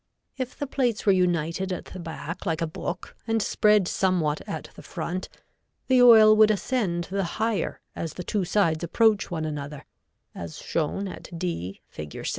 If the plates were united at the back like a book and spread somewhat at the front, the oil would ascend the higher as the two sides approach one another, as shown at d, Fig.